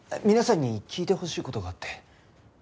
皆さんに聞いてほしい事があって。